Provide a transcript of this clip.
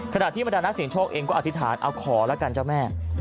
ขณะที่บรรดานักเสียงโชคเองก็อธิษฐานเอาขอแล้วกันเจ้าแม่